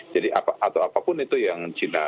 jadi atau apapun itu yang cina